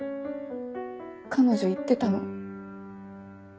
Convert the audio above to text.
彼女言ってたの。